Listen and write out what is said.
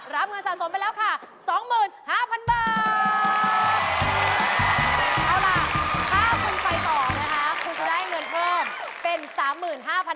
รับเงินสาวนไปแล้วค่ะ